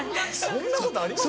そんなことあります？